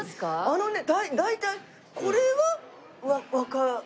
あのね大体「これは」はわかるかな。